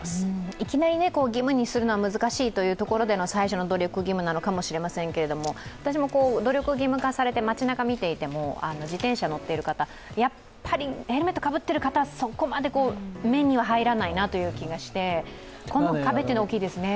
いきなり義務にするのは難しいというところでの最初の努力義務なのかもしれませんけれども、私も努力義務化されて街なか見ていても、自転車乗っている方、やはりヘルメットをかぶってる方はそこまで目に入らないという気がしてこの壁というのは大きいですね。